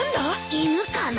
犬かな？